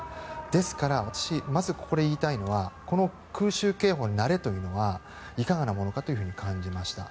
ですから私、まずここで言いたいのは空襲警報に慣れというのはいかがなものかと感じました。